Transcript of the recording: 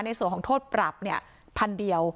ในส่วนของโทษปรับเนี่ยพันเดียว